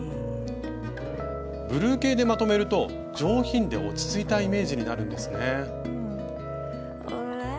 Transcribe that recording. ブルー系でまとめると上品で落ち着いたイメージになるんですね。